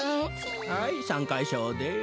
はいさんかしょうです。